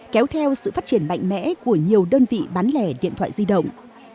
kéo theo sự phát triển mạnh mẽ của nhiều đơn vị bán lẻ điện thoại di động